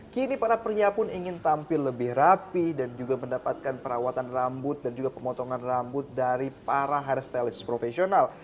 kini para pria pun ingin tampil lebih rapi dan juga mendapatkan perawatan rambut dan juga pemotongan rambut dari para hairstylist profesional